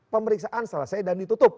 pemeriksaan selesai dan ditutup